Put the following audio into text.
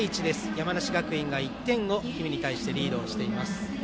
山梨学院が１点を氷見に対してリードしています。